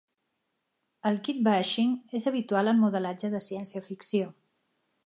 El Kitbashing és habitual en modelatge de ciència-ficció.